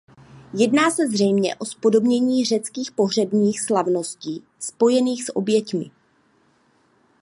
Jedná se zřejmě o zpodobnění řeckých pohřebních slavností spojených s oběťmi.